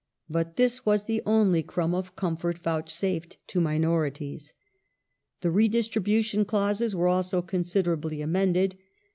But this was the only crumb of comfort vouchsafed to minorities. The *' Redistribution " clauses were also considerably amended.